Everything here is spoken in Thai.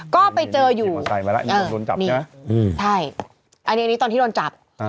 ก็ไปเจออยู่ใช่อันนี้ตอนที่โดนจับ